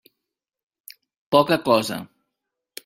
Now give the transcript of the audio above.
Poca cosa.